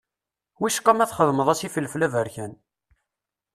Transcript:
Wicqa ma txedmeḍ-as ifelfel aberkan.